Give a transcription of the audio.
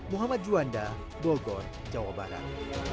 muhammad juanda bogor jawa barat